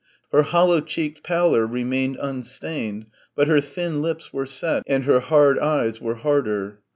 Her hollow cheeked pallor remained unstained, but her thin lips were set and her hard eyes were harder.